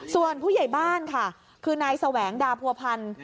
ส่วนผู้ใหญ่บ้านค่ะคือนายแสวงดาผัวพันธ์